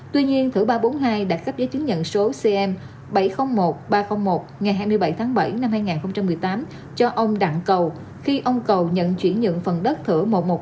tuy nhiên thử ba trăm bốn mươi hai đã cấp giấy chứng nhận số cm bảy trăm linh một ba trăm linh một ngày hai mươi bảy tháng bảy năm hai nghìn một mươi tám cho ông đặng cầu khi ông cầu nhận chuyển nhượng phần đất thử một trăm một mươi